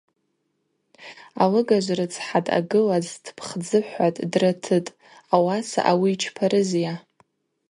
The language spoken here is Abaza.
Алыгажв рыцхӏа дъагылаз дпхдзыхӏватӏ, дратытӏ, ауаса ауи йчпарызйа.